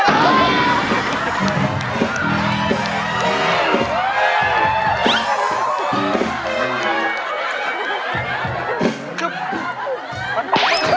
จุ๊บ